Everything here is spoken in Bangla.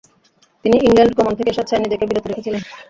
তিনি ইংল্যান্ড গমন থেকে স্বেচ্ছায় নিজেকে বিরত রেখেছিলেন।